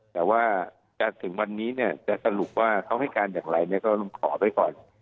แต่ว่าจะถึงวันนี้เนี่ยจะสรุปว่าเขาให้การอย่างไรเนี่ยก็ลุงขอไว้ก่อน